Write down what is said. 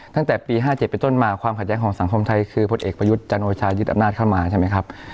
ตั้งแต่ปี๕๗เป็นต้นมาความขัดแย้งของสังคมไทยคือพลเอกประยุทธ์จันโอชายึดอำนาจเข้ามาใช่ไหมครับ